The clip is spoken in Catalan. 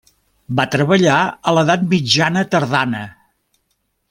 Va treballar a l'edat mitjana tardana.